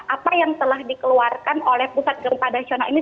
apa yang telah dikeluarkan oleh pusat gempa nasional ini